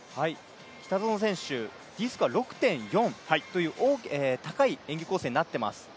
北園選手、Ｄスコアは６．４という高い演技構成になっています。